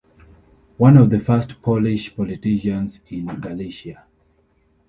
One of the first Polish politicians in Galicia.